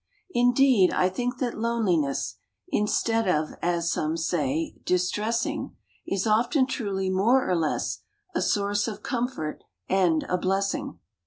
Indeed, I think that loneliness Instead of, as some say, distressing, Is often truly more or less A source of comfort, and a blessing.